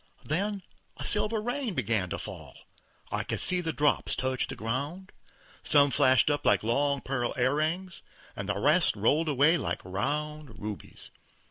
Then a silver rain began to fall. I could see the drops touch the ground; some flashed up like long pearl ear rings, and the rest rolled away like round rubies.